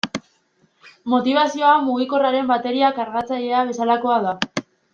Motibazioa mugikorraren bateria kargatzailea bezalakoa da.